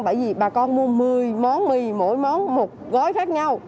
bởi vì bà con mua một mươi món mì mỗi món một gói khác nhau